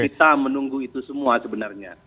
kita menunggu itu semua sebenarnya